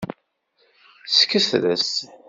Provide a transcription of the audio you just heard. Sketres.